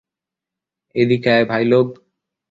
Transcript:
এদিকে আয়, ভাইলোগ।